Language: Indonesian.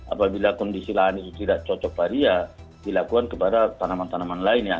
apabila kondisi lahan itu tidak cocok padi ya dilakukan kepada tanaman tanaman lain ya